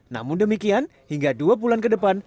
namun demikian hingga dua bulan ke depan